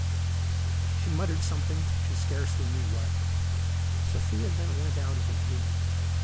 She muttered something, she scarcely knew what. Sophia then went out of the room.